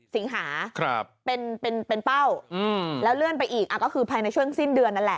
สิงหาเป็นเป้าแล้วเลื่อนไปอีกก็คือภายในช่วงสิ้นเดือนนั่นแหละ